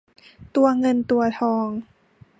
ตัวเงินตัวทอง